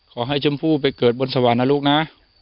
ขอให้ชมพู่ไปเกิดบนสวรรค์นะลุงนะ